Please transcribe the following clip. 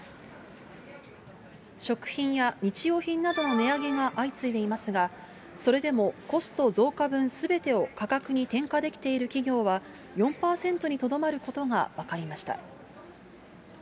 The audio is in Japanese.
食品や日用品などの値上げが相次いでいますが、それでもコスト増加分すべてを価格に転嫁できている企業は４％にとどまることが分かりました。